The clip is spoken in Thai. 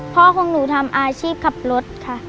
พ่อตามอาชีพคลับรถค่ะ